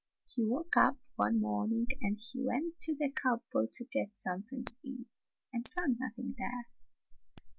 He woke up one morning and went to the cup board to get something to eat, and found nothing there.